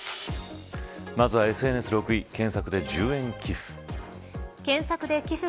まずはＳＮＳ６位検索で１０円寄付。